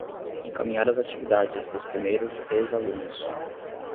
Encaminhar as atividades dos primeiros ex-alunos